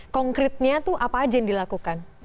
konkretnya itu apa aja yang dilakukan